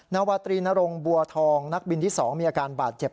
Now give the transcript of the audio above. นาวาตรีนรงบัวทองนักบินที่๒มีอาการบาดเจ็บ